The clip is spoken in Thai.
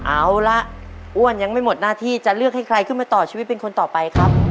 เอาละอ้วนยังไม่หมดหน้าที่จะเลือกให้ใครขึ้นมาต่อชีวิตเป็นคนต่อไปครับ